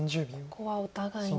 ここはお互いに。